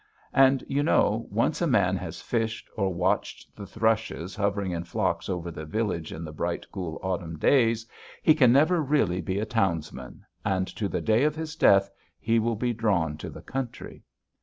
And you know once a man has fished, or watched the thrushes hovering in flocks over the village in the bright, cool, autumn days, he can never really be a townsman, and to the day of his death he will be drawn to the country.